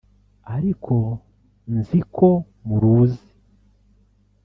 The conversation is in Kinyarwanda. ariko nzi ko muruzi